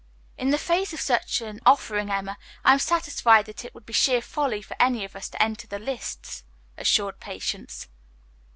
"In the face of such an offering, Emma, I am satisfied that it would be sheer folly for any of us to enter the lists," assured Patience.